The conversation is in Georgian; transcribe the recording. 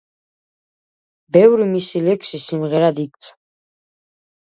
ბევრი მისი ლექსი სიმღერად იქცა.